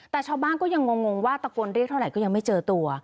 แต่ชาวบ้านก็ยังงงว่าตะโกนเรียกเท่าไหร่ก็ยังไม่เจอตัว